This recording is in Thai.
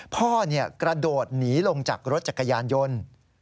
พ่อกระโดดหนีลงจากรถจักรยานยนต์